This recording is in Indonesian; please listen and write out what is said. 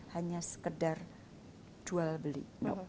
hanya sekedar jual beli